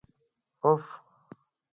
افغ